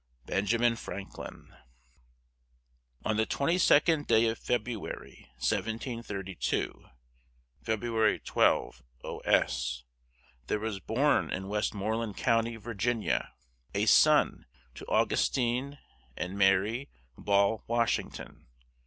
BENJAMIN FRANKLIN. (?) On the twenty second day of February, 1732 (February 12, O. S.), there was born in Westmoreland County, Virginia, a son to Augustine and Mary (Ball) Washington.